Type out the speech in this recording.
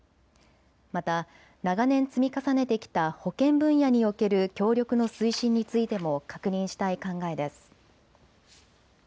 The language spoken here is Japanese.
また長年積み重ねてきた保健分野における協力の推進についても確認したい考えです。